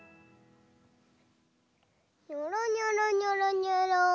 にょろにょろにょろにょろ。